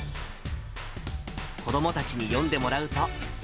子どもたちに読んでもらうと。